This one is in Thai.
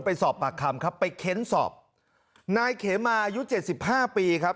ไปสอบปากคำครับไปเค้นสอบนายเขมาอายุเจ็ดสิบห้าปีครับ